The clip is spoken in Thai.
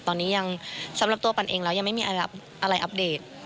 ตอนนี้ยังสำหรับตัวปันเองแล้วยังไม่มีอะไรอัปเดต